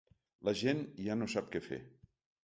La gent ja no sap què fer.